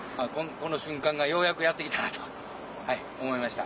この瞬間がようやくやってきたなと思いました。